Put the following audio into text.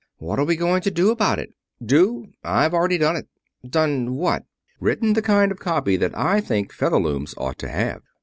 "What are we going to do about it?" "Do? I've already done it." "Done what?" "Written the kind of copy that I think Featherlooms ought to have.